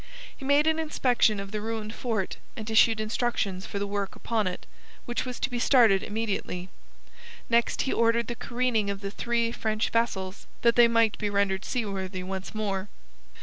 He made an inspection of the ruined fort, and issued instructions for the work upon it, which was to be started immediately. Next he ordered the careening of the three French vessels that they might be rendered seaworthy once more.